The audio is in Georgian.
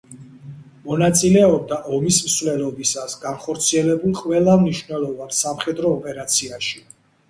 მონაწილეობდა ომის მსვლელობისას განხორციელებულ ყველა მნიშვნელოვან სამხედრო ოპერაციაში.